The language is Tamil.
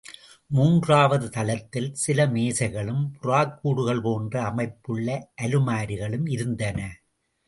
மூன்றாவது தளத்தில், சில மேசைகளும், புறாக் கூடுகள் போன்ற அமைப்புள்ள அலமாரிகளும், இருந்தன.